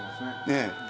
ねえ。